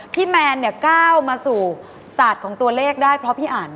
แมนเนี่ยก้าวมาสู่ศาสตร์ของตัวเลขได้เพราะพี่อ่าน